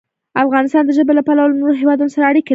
افغانستان د ژبې له پلوه له نورو هېوادونو سره اړیکې لري.